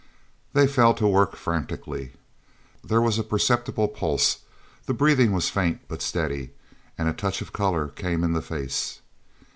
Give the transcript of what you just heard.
They fell to work frantically. There was a perceptible pulse, the breathing was faint but steady, and a touch of colour came in the face.